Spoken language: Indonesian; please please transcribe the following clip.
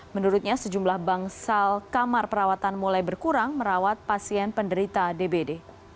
menurutnya sejumlah bangsal kamar perawatan mulai berkurang merawat pasien penderita dbd